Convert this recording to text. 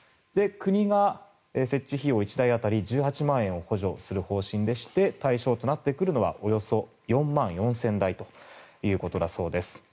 国が設置費用１台当たり１８万円を補助する方針でして対象となってくるのはおよそ４万４０００台ということだそうです。